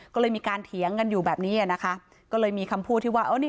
ก็เลยมีการเถียงกันอยู่แบบนี้อ่ะนะคะก็เลยมีคำพูดที่ว่านี่